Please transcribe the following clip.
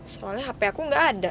soalnya hp aku nggak ada